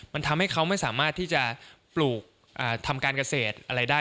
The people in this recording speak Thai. มันทำให้เขาไม่สามารถที่จะปลูกทำการเกษตรอะไรได้